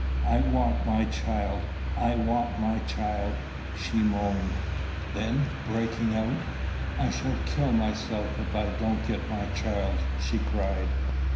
"I want my child; I want my child," she moaned. Then breaking out "I shall kill myself if I don't get my child!" she cried.